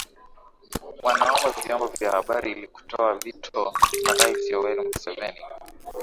wanaomba vyombo vya habari ilikutoa vito kwa rais yoweri museveni